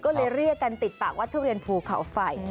ก็เลยเรียกกันติดปากว่าทุเรียนภูเขาไฟ